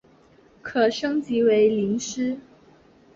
可升级成麟师。